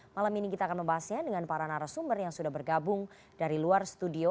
malam ini kita akan membahasnya dengan para narasumber yang sudah bergabung dari luar studio